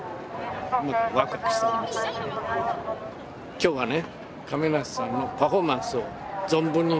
今日はね